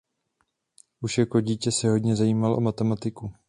Už jako dítě se hodně zajímal o matematiku.